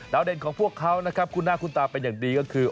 เด่นของพวกเขานะครับคุณหน้าคุณตาเป็นอย่างดีก็คือ